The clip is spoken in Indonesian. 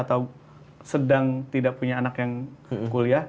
atau sedang tidak punya anak yang kuliah